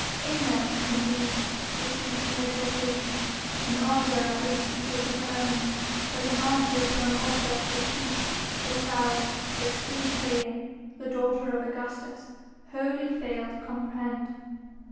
In them, indeed, did she read exultation, an ardour at least equal to her own, but an ardour for an object which she the proud, exquisite pagan, the daughter of Augustus wholly failed to comprehend.